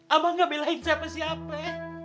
abang gak belain siapa siapa